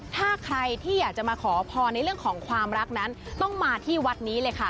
ถ้าใครที่อยากจะมาขอพรในเรื่องของความรักนั้นต้องมาที่วัดนี้เลยค่ะ